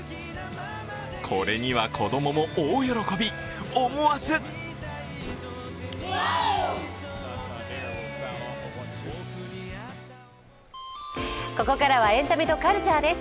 これには子供も大喜び、思わずここからはエンタメとカルチャーです。